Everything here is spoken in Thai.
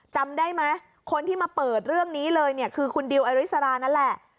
จำได้ไหมคนที่มาเปิดเรื่องนี้เลยเนี่ยคือคุณดิวอริสรานั่นแหละ